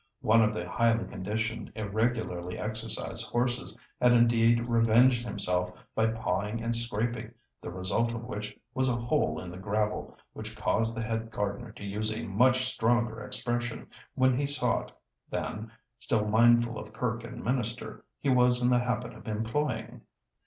One of the highly conditioned, irregularly exercised horses had indeed revenged himself by pawing and scraping, the result of which was a hole in the gravel, which caused the head gardener to use a much stronger expression when he saw it than, still mindful of kirk and minister, he was in the habit of employing.